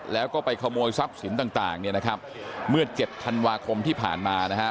แล้วก็ไปขโมยทรัพย์สินต่างเนี่ยนะครับเมื่อเจ็ดธันวาคมที่ผ่านมานะฮะ